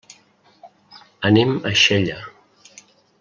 Anem a Xella.